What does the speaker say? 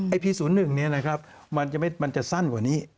ไอ้พีศูนย์หนึ่งเนี่ยนะครับมันจะสั้นกว่านี้